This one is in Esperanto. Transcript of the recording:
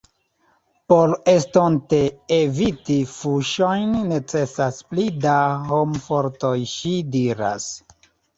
Por estonte eviti fuŝojn necesas pli da homfortoj, ŝi diras.